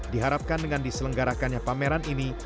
diharapkan dengan diselenggarakannya pameran ini